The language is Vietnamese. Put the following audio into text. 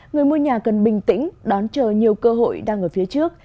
người mua nhà cần bình tĩnh đón chờ nhiều cơ hội đang ở phía trước